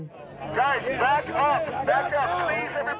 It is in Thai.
ทุกคนต่อไปต่อไปทุกคน